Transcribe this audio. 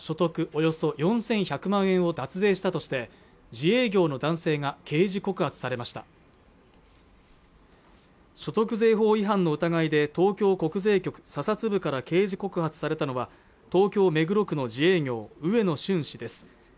およそ４１００万円を脱税したとして自営業の男性が刑事告発されました所得税法違反の疑いで東京国税局査察部から刑事告発されたのは東京目黒区の自営業植野瞬氏です